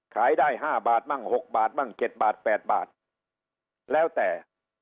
ขายได้ห้าบาทมั่งหกบาทมั่งเจ็ดบาทแปดบาทแล้วแต่